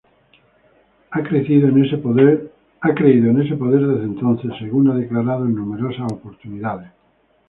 Él ha creído en ese poder desde entonces, según ha declarado en numerosas oportunidades.